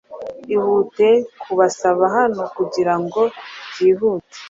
Ihute kubasaba hano kugirango byihute